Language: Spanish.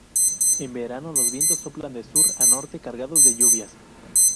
En verano los vientos soplan de sur a norte, cargados de lluvias.